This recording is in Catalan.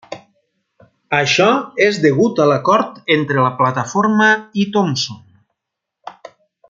Això és degut a l'acord entre la plataforma i Thompson.